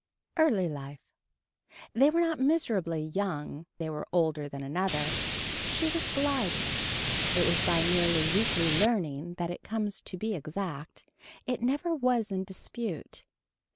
Early Life. They were not miserably young they were older than another. She was gliding. It is by nearly weekly leaning that it comes to be exact. It never was in dispute.